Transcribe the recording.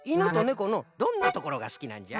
このどんなところがすきなんじゃ？